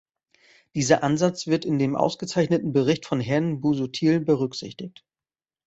Dieser Ansatz wird in dem ausgezeichneten Bericht von Herrn Busuttil berücksichtigt.